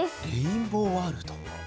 「レインボーワールド」。